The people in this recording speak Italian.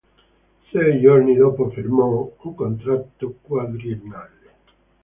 Sei giorni dopo firmò un contratto quadriennale.